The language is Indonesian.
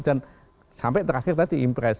dan sampai terakhir tadi impress